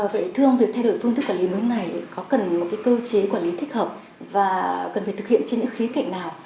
vậy thưa ông việc thay đổi phương thức quản lý mới này có cần một cơ chế quản lý thích hợp và cần phải thực hiện trên những khí cạnh nào